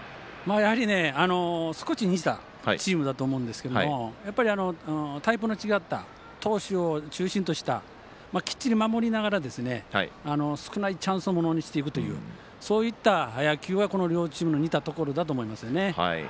やはり、少し似たチームだと思うんですがタイプの違った投手を中心としたきっちり守りながら少ないチャンスをものにしていくというそういった野球はこの両チームの似たところだと思いますね。